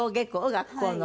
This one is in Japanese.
学校の。